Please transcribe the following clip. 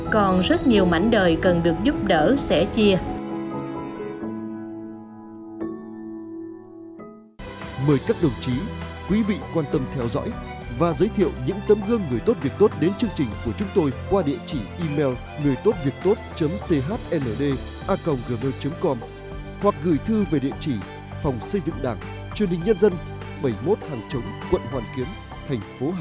còn rất nhiều mảnh đời cần được giúp đỡ sẽ chia